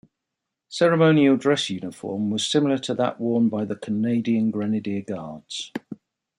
Ceremonial dress uniform was similar to that worn by The Canadian Grenadier Guards.